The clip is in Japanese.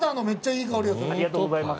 ありがとうございます。